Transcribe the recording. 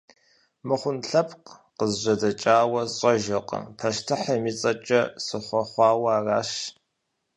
Мыхъун лъэпкъ къызжьэдэкӀауэ сщӀэжыркъым, пащтыхьым и цӀэкӀэ сыхъуэхъуауэ аращ.